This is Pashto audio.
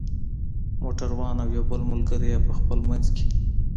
موټر وان او یو بل ملګری یې په خپل منځ کې.